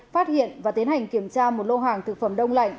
phát hiện và tiến hành kiểm tra một lô hàng thực phẩm đông lạnh